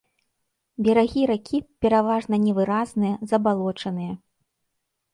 Берагі ракі пераважна невыразныя, забалочаныя.